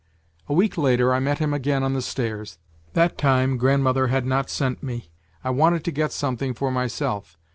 " A week later I met him again on the stairs. That time grandmother had not sent me, I wanted to get 'something for myself.